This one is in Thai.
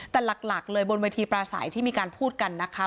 แต่หลักเลยบนเวทีปราศัยที่มีการพูดกันนะคะ